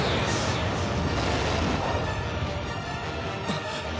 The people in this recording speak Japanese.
あっ！